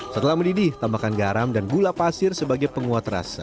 setelah mendidih tambahkan garam dan gula pasir sebagai penguat rasa